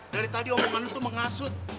dari tadi omongan lo tuh mengasut